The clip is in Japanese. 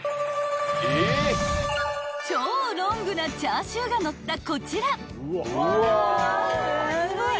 ［超ロングなチャーシューがのったこちら］